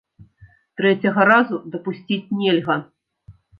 Трэцяга разу дапусціць нельга.